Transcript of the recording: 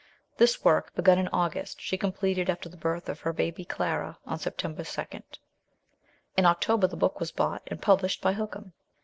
This work, begun in August, she completed after the birth of her baby Clara on September 2. In October the book was bought and published by Hookham.